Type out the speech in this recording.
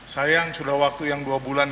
sayang sudah waktu yang dua bulan